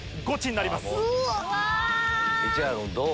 市原君どう？